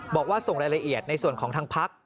บอกว่าส่งรายละเอียดในส่วนของทางพัก